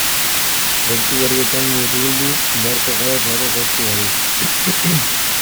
Proiektu berrietan murgildu beharko gara zaharrak ahaztu barik.